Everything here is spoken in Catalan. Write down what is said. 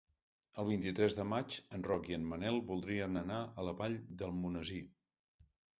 El vint-i-tres de maig en Roc i en Manel voldrien anar a la Vall d'Almonesir.